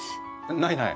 ないない